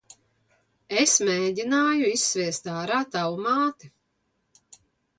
Es mēgināju izsviest ārā tavu māti.